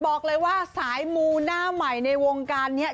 บอกเลยว่าสายมูหน้าใหม่ในวงการนี้